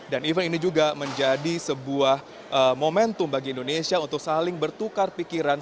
dan event ini juga menjadi sebuah momentum bagi indonesia untuk saling bertukar pikiran